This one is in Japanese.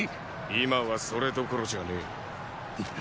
今はそれどころじゃねェ。